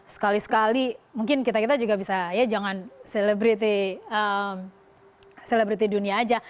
sekali sekali mungkin kita kita juga bisa ya jangan selebriti dunia aja